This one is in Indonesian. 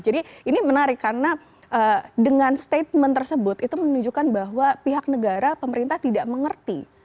jadi ini menarik karena dengan statement tersebut itu menunjukan bahwa pihak negara pemerintah tidak mengerti